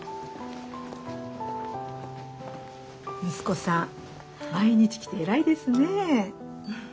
息子さん毎日来て偉いですね。